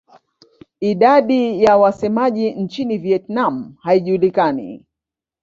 Idadi ya wasemaji nchini Vietnam haijulikani.